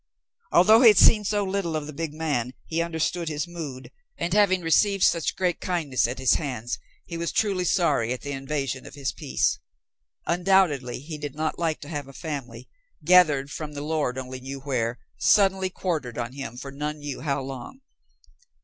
Although he had seen so little of the big man he understood his mood, and having received such great kindness at his hands, he was truly sorry at the invasion of his peace. Undoubtedly he did not like to have a family, gathered from the Lord only knew where, suddenly quartered on him for none knew how long.